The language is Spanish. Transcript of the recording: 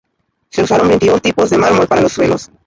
Se usaron veintiún tipos de mármol para los suelos.